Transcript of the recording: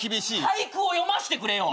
俳句を詠ませてくれよ。